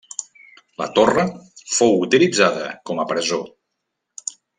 La torre fou utilitzada com a presó.